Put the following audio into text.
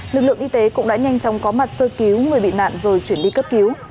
lực lượng y tế cũng đã nhanh chóng có mặt sơ cứu người bị nạn rồi chuyển đi cấp cứu